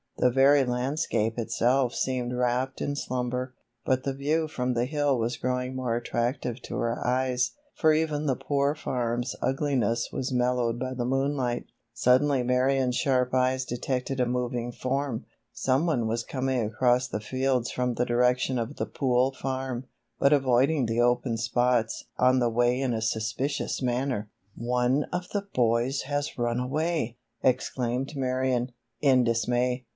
The very landscape itself seemed wrapped in slumber, but the view from the hill was growing more attractive to her eyes, for even the Poor Farm's ugliness was mellowed by the moonlight. Suddenly Marion's sharp eyes detected a moving form. Some one was coming across the fields from the direction of the Pool Farm, but avoiding the open spots on the way in a suspicious manner. "One of the boys has run away!" exclaimed Marion, in dismay.